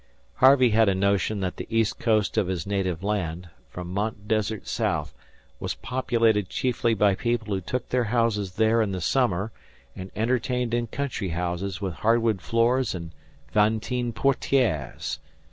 Harvey had a notion that the east coast of his native land, from Mount Desert south, was populated chiefly by people who took their horses there in the summer and entertained in country houses with hardwood floors and Vantine portires.